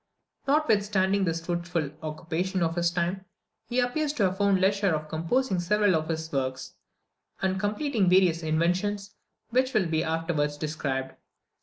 Notwithstanding this fruitless occupation of his time, he appears to have found leisure for composing several of his works, and completing various inventions, which will be afterwards described.